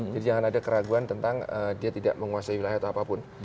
jadi jangan ada keraguan tentang dia tidak menguasai wilayah atau apapun